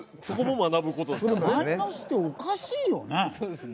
マイナスっておかしいよね。